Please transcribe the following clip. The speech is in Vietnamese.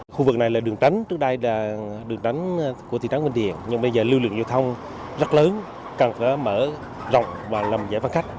khu vực này là đường tránh trước đây là đường tránh của thị trấn nguyễn điển nhưng bây giờ lưu lượng giao thông rất lớn càng phải mở rộng và làm dễ văn khách